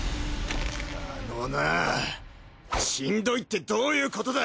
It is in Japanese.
あのなしんどいってどういうことだ！